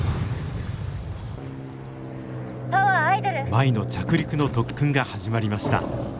舞の着陸の特訓が始まりました。